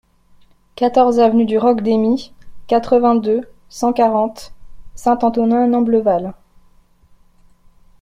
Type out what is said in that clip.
quatorze avenue du Roc Deymie, quatre-vingt-deux, cent quarante, Saint-Antonin-Noble-Val